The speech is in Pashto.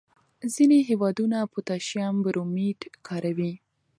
ځینې هېوادونه پوټاشیم برومیټ کاروي.